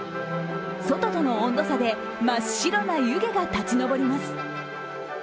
外との温度差で真っ白な湯気が立ち上ります。